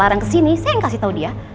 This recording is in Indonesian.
kamu yang kesini saya yang kasih tau dia